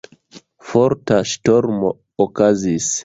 Forta ŝtormo okazis.